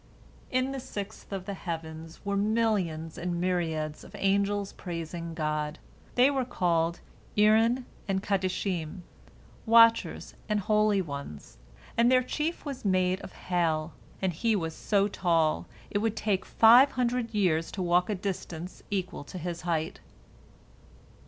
In the sixth of the heavens were millions and myriads of angels praising God, they were called 'Irin and kadishim, "Watchers" and "Holy Ones," and their chief was made of hail, and he was so tall, it would take five hundred years to walk a distance equal to his height.